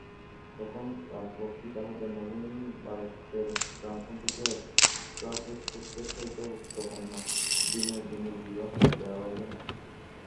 তখন রাজলক্ষ্মী তাঁহার জন্মভূমি বারাসতের গ্রামসম্পর্কীয় এক ভ্রাতুষ্পুত্রের সহিত উক্ত কন্যা বিনোদিনীর বিবাহ দেওয়াইলেন।